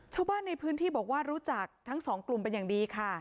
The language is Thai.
ชาวบ้านในพื้นที่บอกว่ารู้จักทั้งสองกลุ่มเป็นอย่างดีค่ะ